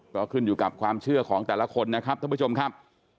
ก็ขึ้นอยู่กับความเชื่อของแต่ละคนนะครับท่านผู้ชมครับ